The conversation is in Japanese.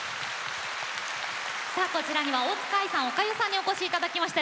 さあこちらには大塚愛さんおかゆさんにお越し頂きました。